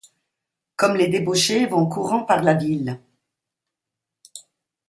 Comme les débauchés vont courant par la ville!